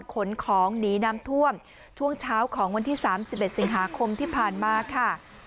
ขนของหนีน้ำท่วมช่วงเช้าของวันที่๓๑สิงหาคมที่ผ่านมาค่ะ